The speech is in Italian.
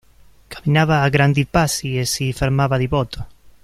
Camminava a grandi passi, e si fermava di botto.